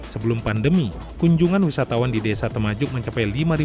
sebelum pandemi kunjungan wisatawan di desa temajuk mencapai lima ratus